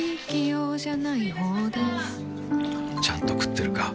ちゃんと食ってるか？